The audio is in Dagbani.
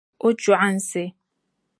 O chɔɣinsi.